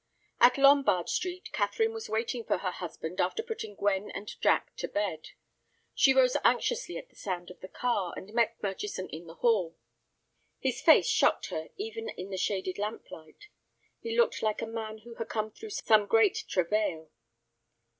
At Lombard Street, Catherine was waiting for her husband after putting Gwen and Jack to bed. She rose anxiously at the sound of the car, and met Murchison in the hall. His face shocked her even in the shaded lamplight. He looked like a man who had come through some great travail.